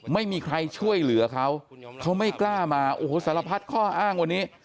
ไม่มีใครช่วยเหลือเขาเขาไม่กล้ามาโอ้โหสารพัดข้ออ้างวันนี้